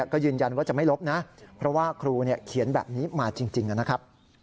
ก็ยืนยันว่าจะไม่ลบนะเพราะว่าครูเขียนแบบนี้มาจริงนะครับ